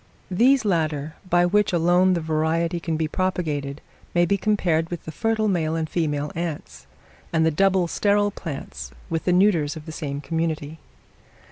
These latter, by which alone the variety can be propagated, may be compared with the fertile male and female ants, and the double sterile plants with the neuters of the same community.